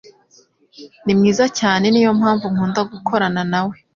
Ni mwiza cyane, niyo mpamvu nkunda gukorana nawe.